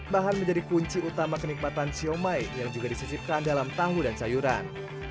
bahan menjadi kunci utama kenikmatan siomay yang juga disisipkan dalam tahu dan sayuran